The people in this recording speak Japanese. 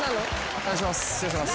お願いします。